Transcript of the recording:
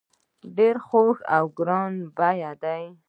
ډیر خوږ او ګران بیه دي.